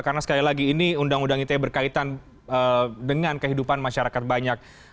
karena sekali lagi ini undang undang itu berkaitan dengan kehidupan masyarakat banyak